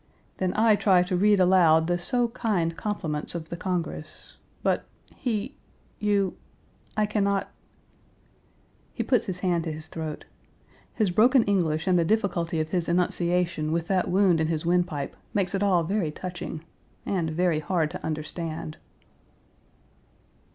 Then I try to read aloud the so kind compliments of the Congress but he you I can not " He puts his hand to his throat. His broken English and the difficulty of his enunciation with that wound in his windpipe makes it all very touching and very hard to understand.